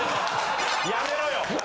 やめろよ。